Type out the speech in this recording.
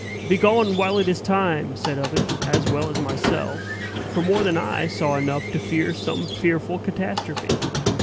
"Begone, while it is time!" said others, as well as myself; for more than I saw enough to fear some fearful catastrophe.